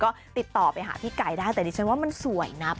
ก็ติดต่อไปหาพี่ไก่ได้แต่ดิฉันว่ามันสวยนะ